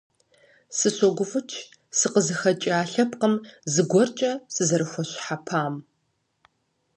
Сыщогуфӏыкӏ сыкъызыхэкӏа лъэпкъым зыгуэркӏэ сызэрыхуэщхьэпам.